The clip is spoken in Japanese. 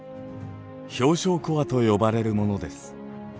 氷床コアと呼ばれるものです。